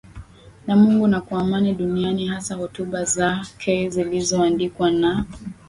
na Mungu na kwa amani duniani Hasa hotuba zake zilizoandikwa na